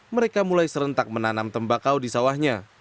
mereka mulai serentak menanam tembakau di sawahnya